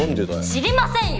知りませんよ！